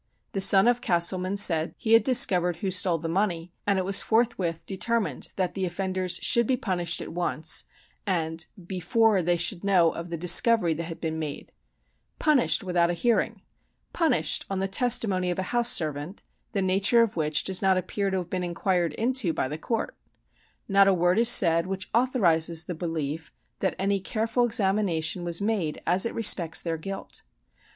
The son of Castleman said he had discovered who stole the money; and it was forthwith "determined that the offenders should be punished at once, and before they should know of the discovery that had been made." Punished without a hearing! Punished on the testimony of a house servant, the nature of which does not appear to have been inquired into by the court! Not a word is said which authorizes the belief that any careful examination was made, as it respects their guilt.